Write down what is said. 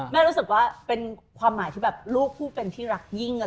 รู้สึกว่าเป็นความหมายที่แบบลูกผู้เป็นที่รักยิ่ง